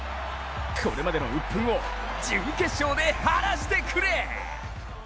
これまでのうっぷんを準決勝で晴らしてくれ！